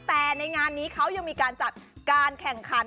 แต่ในงานนี้เขายังมีการจัดการแข่งขัน